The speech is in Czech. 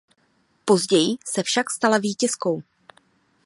Později se však stala vítězkou.